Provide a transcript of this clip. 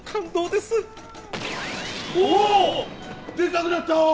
でっかくなったー！